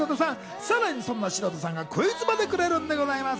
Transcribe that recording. さらにそんな城田さんがクイズまでくれるんです。